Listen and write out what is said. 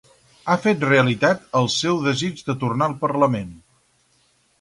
Ha fet realitat el seu desig de tornar al Parlament.